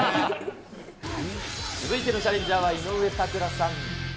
続いてのチャレンジャーは井上咲楽さん。